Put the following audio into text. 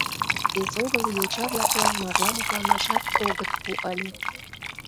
Эсогыл йоча-влаклан марла мутланашат огыт пу ыле.